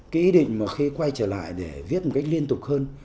cái ý định mà khi quay trở lại để viết một cách liên tục hơn